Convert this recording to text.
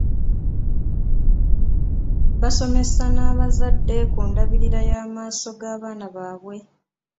Basomesa n'abazadde ku ndabirira y'amaaso g'abaana baabwe.